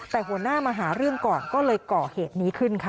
แต่หัวหน้ามาหาเรื่องก่อนก็เลยก่อเหตุนี้ขึ้นค่ะ